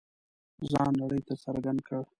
ځان نړۍ ته څرګند کړ.